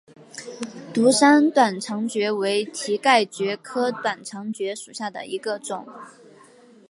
独山短肠蕨为蹄盖蕨科短肠蕨属下的一个种。